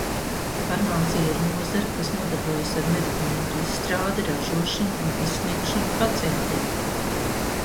Farmācija ir nozare, kas nodarbojas ar medikamentu izstrādi, ražošanu un izsniegšanu pacientiem.